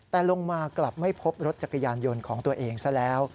แต่ลงมากลับไม่พบรถจักรยานยนต์ของตัวเองซะแล้ว